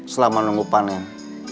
selama nunggu panen